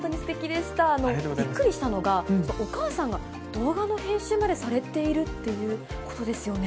でもびっくりしたのが、お母さんが動画の編集までされているっていうことですよね。